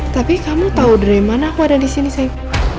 tapi kamu tau dari mana aku ada disini sayang